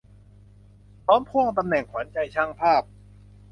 พร้อมพ่วงตำแหน่งขวัญใจช่างภาพ